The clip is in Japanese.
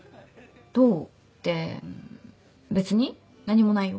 どうって別に何もないよ。